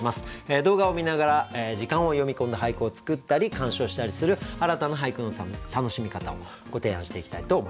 動画を観ながら時間を詠み込んだ俳句を作ったり鑑賞したりする新たな俳句の楽しみ方をご提案していきたいと思います。